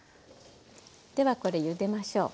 ではこれゆでましょう。